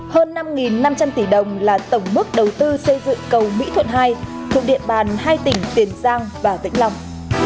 hơn năm năm trăm linh tỷ đồng là tổng mức đầu tư xây dựng cầu mỹ thuận hai thuộc địa bàn hai tỉnh tiền giang và vĩnh long